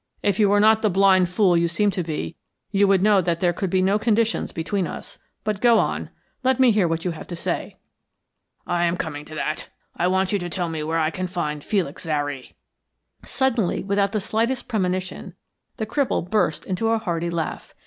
"If you were not the blind fool you seem to be you would know that there could be no conditions between us; but go on. Let me hear what you have to say." "I am coming to that. I want you to tell me where I can find Felix Zary." Suddenly, without the slightest premonition, the cripple burst into a hearty laugh.